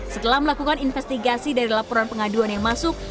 setelah melakukan investigasi dari laporan pengaduan yang masuk